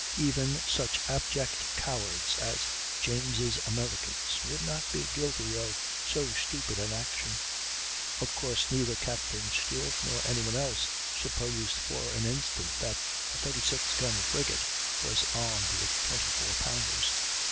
Even such abject cowards as James' Americans would not be guilty of so stupid an action. Of course neither Capt. Stewart nor any one else supposed for an instant that a 36 gun frigate was armed with 24 pounders.